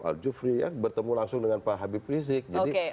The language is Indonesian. pak aljufri bertemu langsung dengan pak habib rizik